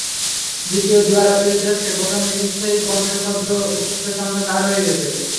দ্বিতীয় দিবারাত্রির টেস্টে প্রথম ইনিংসেই পঞ্চাশোর্ধ্ব ইনিংসের সংখ্যা চার হয়ে গেছে।